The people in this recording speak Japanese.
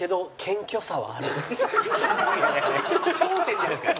『笑点』じゃないですか。